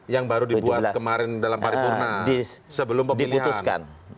yang baru dibuat kemarin dalam paripurna sebelum pemilihan